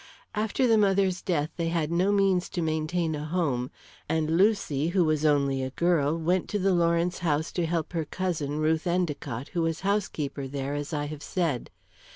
After the mother's death, they had no means to maintain a home, and Lucy, who was only a girl, went to the Lawrence house to help her cousin, Ruth Endicott, who was housekeeper there, as I have said.